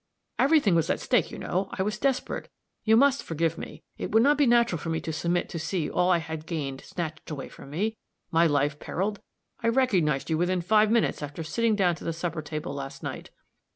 "Every thing was at stake, you know. I was desperate. You must forgive me. It would not be natural for me to submit to see all I had gained snatched away from me my life periled. I recognized you within five minutes after sitting down to the supper table last night."